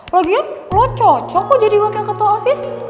logian lo cocok kok jadi wakil ketua osis